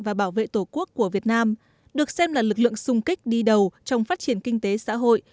và bảo vệ tổ quốc của việt nam được xem là lực lượng sung kích đi đầu trong phát triển kinh tế xã hội